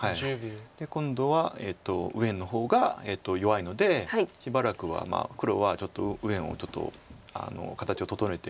今度は右辺の方が弱いのでしばらくは黒はちょっと右辺を形を整えて。